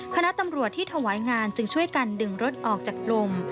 คณะตำรวจที่ถวายงานจึงช่วยกันดึงรถออกจากกลุ่ม